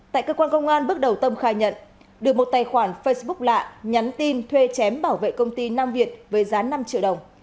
tại cơ quan công an bước đầu tâm khai nhận được một tài khoản facebook lạ nhắn tin thuê chém bảo vệ công ty nam việt với giá năm triệu đồng